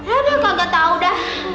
aduh kagak tau dah